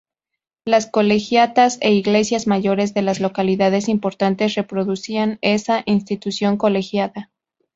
Las colegiatas e iglesias mayores de las localidades importantes reproducían esa institución colegiada.